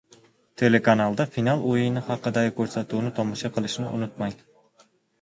Ttelekanalda final oʻyini haqidagi koʻrsatuvni tomosha qilishni unutmang!